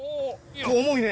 重いね。